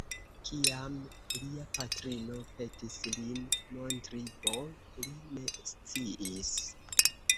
Kiam lia patrino petis lin montri B, li ne sciis.